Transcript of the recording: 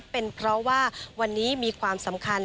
เป็นเพราะว่าวันนี้มีความสำคัญ